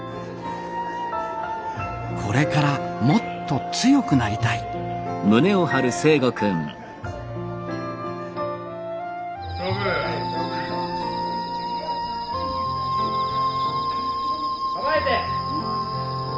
これからもっと強くなりたいかまえて。